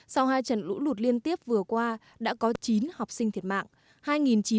sau hai trận lũ lụt liên tiếp vừa qua đã có chín học sinh thiệt mạng